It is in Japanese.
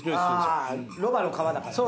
ロバの皮だからね。